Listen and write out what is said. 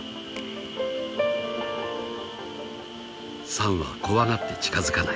［サンは怖がって近づかない］